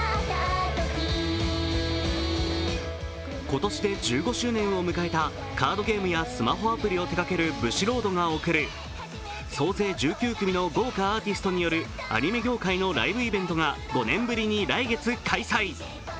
今年で１５周年を迎えたカードゲームやスマホアプリを手がけるブシロードが送る総勢９組の豪華アーティストによるアニメ業界のライブイベントが５年ぶりに来月開催。